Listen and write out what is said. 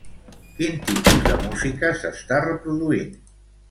Quin tipus de música s'està reproduint?